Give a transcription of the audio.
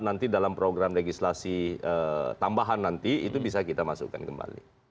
nanti dalam program legislasi tambahan nanti itu bisa kita masukkan kembali